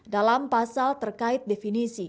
dalam pasal terkait definisi